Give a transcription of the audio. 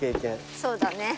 そうだね。